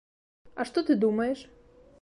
А што ты думаеш?